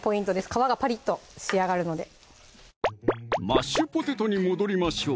皮がパリッと仕上がるのでマッシュポテトに戻りましょう！